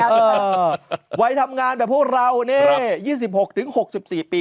เออวัยทำงานแต่พวกเราเนี่ยยี่สิบหกถึงหกสิบสี่ปี